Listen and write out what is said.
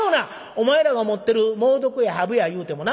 お前らが思ってる猛毒やハブやいうてもな